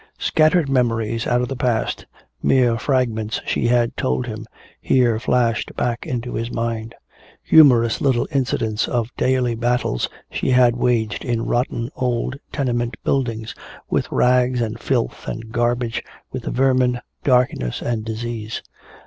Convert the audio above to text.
Scattered memories out of the past, mere fragments she had told him, here flashed back into his mind: humorous little incidents of daily battles she had waged in rotten old tenement buildings with rags and filth and garbage, with vermin, darkness and disease.